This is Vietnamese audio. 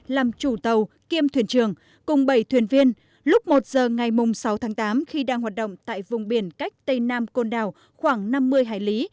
làm chủ tàu kiêm thuyền trường cùng bảy thuyền viên lúc một giờ ngày sáu tháng tám khi đang hoạt động tại vùng biển cách tây nam côn đảo khoảng năm mươi hải lý